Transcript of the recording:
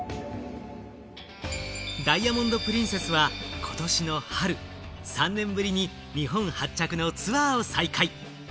ダイヤモンド・プリンセスはことしの春、３年ぶりに日本発着のツアーを再開。